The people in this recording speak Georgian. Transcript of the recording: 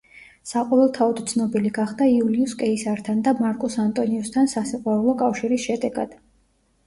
საყოველთაოდ ცნობილი გახდა იულიუს კეისართან და მარკუს ანტონიუსთან სასიყვარულო კავშირის შედეგად.